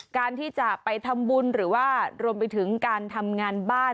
การที่จะไปทำบุญหรือว่ารวมไปถึงการทำงานบ้าน